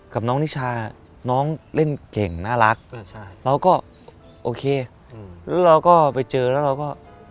กับน้องนิชาน้องเล่นเก่งน่ารักเราก็โอเคแล้วเราก็ไปเจอแล้วเราก็